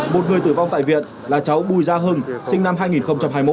một người tử vong tại viện là cháu bùi gia hưng sinh năm hai nghìn hai mươi một